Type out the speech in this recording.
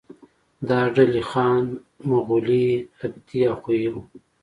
دا ډلې خان، مغولي، تبتي او خویي وو.